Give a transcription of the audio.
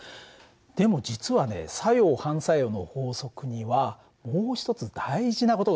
でも実はね作用・反作用の法則にはもう一つ大事な事があるんだ。